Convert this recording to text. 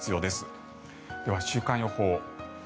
では週間予報。